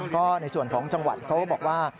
ก็ในส่วนของจังหวัดเขาก็บอกว่า